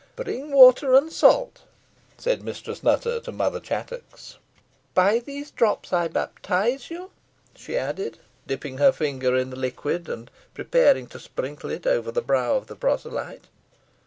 "Bring water and salt," said Mistress Nutter to Mother Chattox. "By these drops I baptise you," she added, dipping her fingers in the liquid, and preparing to sprinkle it over the brow of the proselyte.